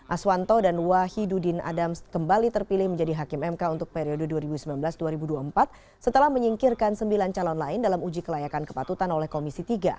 aswanto dan wahidudin adams kembali terpilih menjadi hakim mk untuk periode dua ribu sembilan belas dua ribu dua puluh empat setelah menyingkirkan sembilan calon lain dalam uji kelayakan kepatutan oleh komisi tiga